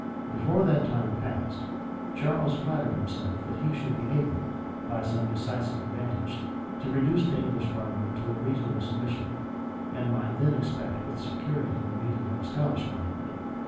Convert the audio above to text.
Before that time elapsed, Charles flattered himself that he should be able, by some decisive advantage, to reduce the English parliament to a reasonable submission, and might then expect with security the meeting of a Scottish parliament.